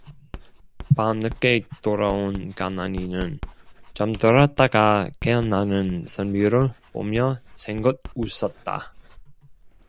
밤늦게 돌아온 간난이는 잠들었다가 깨어나는 선비를 보며 생긋 웃었다.